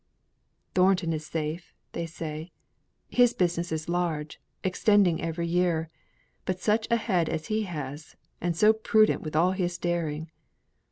"Thornton is safe," say they. "His business is large extending every year; but such a head as he has, and so prudent with all his daring!"